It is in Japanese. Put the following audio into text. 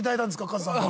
カズさんが。